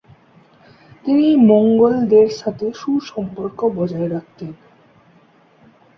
তিনি মঙ্গোলদের সাথে সুসম্পর্ক বজায় রাখতেন।